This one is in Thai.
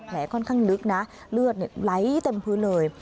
ค่อนข้างลึกนะเลือดไหลเต็มพื้นเลย